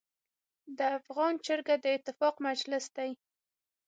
د افغان جرګه د اتفاق مجلس دی.